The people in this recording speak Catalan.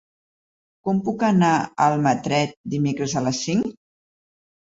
Com puc anar a Almatret dimecres a les cinc?